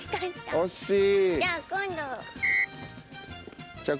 あ惜しい！